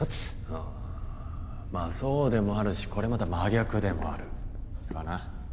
ああまあそうでもあるしこれまた真逆でもあるかな？